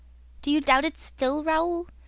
"Do you doubt it still, Raoul? ...